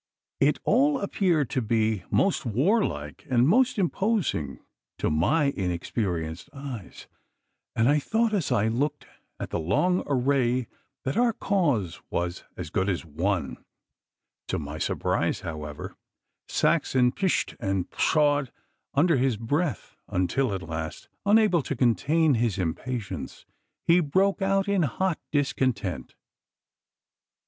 It all appeared to be most warlike and most imposing to my inexperienced eyes, and I thought as I looked at the long array that our cause was as good as won. To my surprise, however, Saxon pished and pshawed under his breath, until at last, unable to contain his impatience, he broke out in hot discontent.